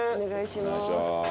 お願いします。